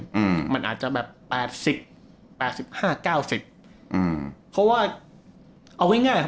อืมมันอาจจะแบบแปดสิบแปดสิบห้าเก้าสิบอืมเพราะว่าเอาง่ายง่าย